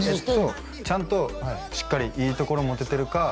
ちゃんとしっかりいいところも出てるか